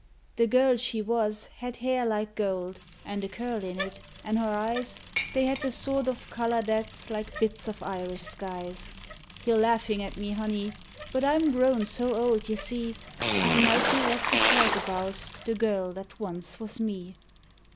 The girl she was had hair like gold, an' a curl in it, an' her eyes They had the sort o' colour that's like bits of Irish skies. You're laughin' at me, honey, but I'm grown so old y' see I might be let to talk about the girl that once was me